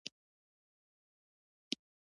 آیا ښارګوټي قانوني جوړیږي؟